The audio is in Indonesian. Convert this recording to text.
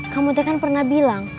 kamu tuh kan pernah bilang